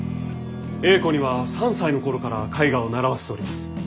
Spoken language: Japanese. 英子には３歳の頃から絵画を習わせております。